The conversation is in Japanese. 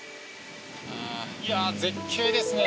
いや絶景ですね。